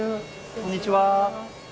こんにちは。